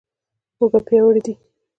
اوږه پیاوړې دي.